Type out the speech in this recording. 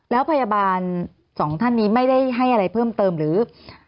แล้วพยาบาลสองท่านนี้ไม่ได้ให้อะไรเพิ่มเติมหรือ